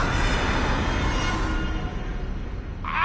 あ！